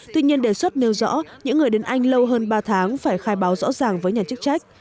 tuy nhiên đề xuất nêu rõ những người đến anh lâu hơn ba tháng phải khai báo rõ ràng với nhà chức trách